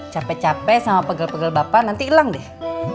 capek capek sama pegel pegel bapak nanti hilang deh